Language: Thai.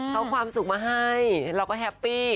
เอาความสุขมาให้เราก็แฮปปี้